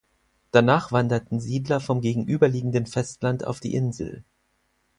Danach wanderten Siedler vom gegenüber liegenden Festland auf die Insel.